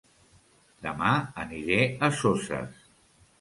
Dema aniré a Soses